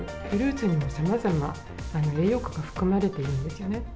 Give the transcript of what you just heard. フルーツにもさまざまな栄養価が含まれているんですよね。